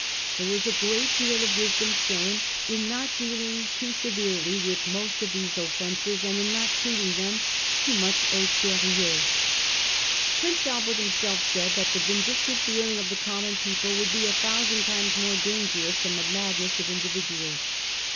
There was a great deal of wisdom shown in not dealing too severely with most of these offences and in not treating them too much ctu. sivi&ux. Prince 1842. JUDICIOUS LENITY. 16S Albert himself said that ' the vindictive feeling of the common people would be a thousand times more dangerous than the madness of individuals.